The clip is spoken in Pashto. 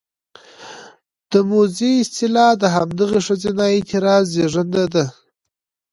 د موذي اصطلاح د همدغې ښځينه اعتراض زېږنده دى: